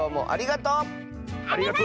ありがとう！